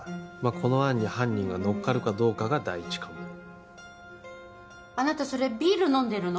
この案に犯人が乗っかるかどうかが第一関門あなたそれビール飲んでるの？